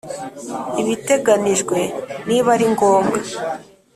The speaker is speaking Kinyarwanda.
Ibiteganijwe niba ari ngombwa